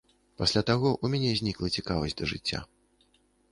Пасля таго ў мяне знікла цікавасць да жыцця.